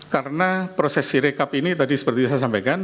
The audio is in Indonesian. karena proses sirekap ini tadi seperti yang saya sampaikan